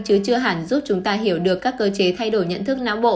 chứ chưa hẳn giúp chúng ta hiểu được các cơ chế thay đổi nhận thức não bộ